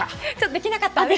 できなかったです。